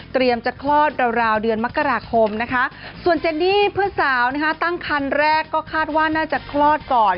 จะคลอดราวเดือนมกราคมนะคะส่วนเจนนี่เพื่อนสาวตั้งคันแรกก็คาดว่าน่าจะคลอดก่อน